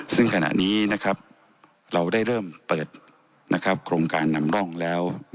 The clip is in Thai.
ซึ่งขณะนี้นะครับเราได้เริ่มเปิดโครงการนำร่องแล้ว